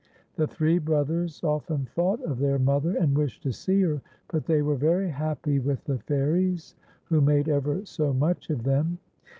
The three brothers often thought of their mother, and wished to see her, but they were very happy with the fairies who made ever so much of them.